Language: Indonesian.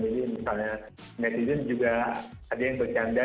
jadi misalnya netizen juga ada yang bercanda